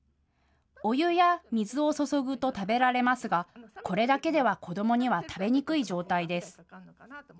お湯や水を注ぐと食べられますがこれだけでは子どもには食べにくい状態です。